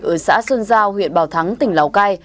ở xã sơn giao huyện bảo thắng tỉnh lào cai